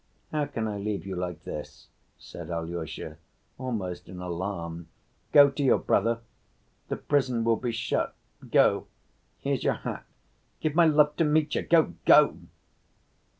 "How can I leave you like this?" said Alyosha, almost in alarm. "Go to your brother, the prison will be shut; go, here's your hat. Give my love to Mitya, go, go!"